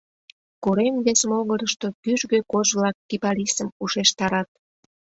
Корем вес могырышто кӱжгӧ кож-влак кипарисым ушештарат.